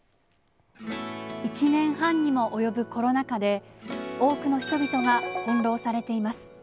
１年半にも及ぶコロナ禍で、多くの人々が翻弄されています。